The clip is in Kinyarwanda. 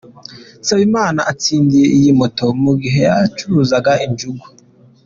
Nsabimana atsindiye iyi moto mu gihe yacuruzaga injugu.